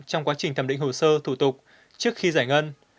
trong quá trình thẩm định hồ sơ thủ tục trước khi giải ngân